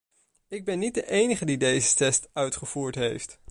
Ik ben niet de enige die deze test uitgevoerd heeft.